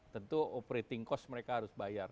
tentu operating cost mereka harus bayar